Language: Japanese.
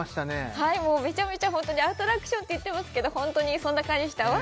はいもうめちゃめちゃ本当にアトラクションって言ってますけど本当にそんな感じでしたわ！